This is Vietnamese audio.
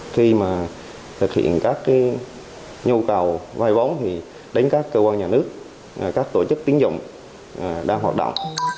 khi mà thực hiện các nhu cầu vay vốn thì đến các cơ quan nhà nước các tổ chức tiến dụng đang hoạt động